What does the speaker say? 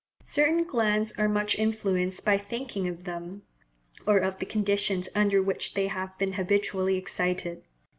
Certain glands are much influenced by thinking of them, or of the conditions under which they have been habitually excited.